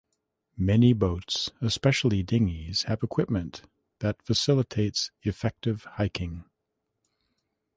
Many boats, especially dinghies, have equipment that facilitates effective hiking.